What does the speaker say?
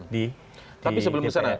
tapi sebelum disana